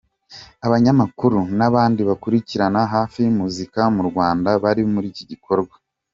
Abanyamakuru n'abandi bakurikiranira hafi muzika mu Rwanda bari muri iki gikorwa.